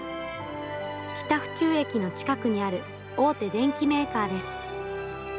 北府中駅の近くにある大手電機メーカーです。